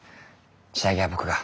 仕上げは僕が。